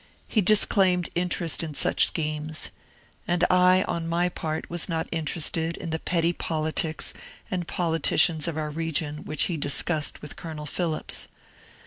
He disclaimed interest in such schemes. And I on my part was not interested in the petty politics and politicians of our region which he discussed with Colonel Phillips.